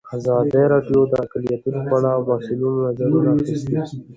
ازادي راډیو د اقلیتونه په اړه د مسؤلینو نظرونه اخیستي.